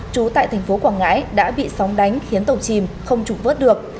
trú tại thành phố quảng ngãi đã bị sóng đánh khiến tàu chìm không trục vớt được